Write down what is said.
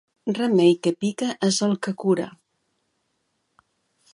Remei que pica és el que cura.